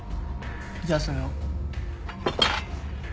じゃあそれを。